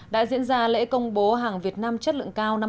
đã diễn ra lễ công bố hàng việt nam chất lượng cao năm hai nghìn một mươi tám